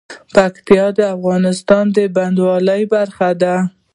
پکتیا د افغانستان د بڼوالۍ برخه ده.